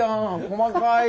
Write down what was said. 細かい。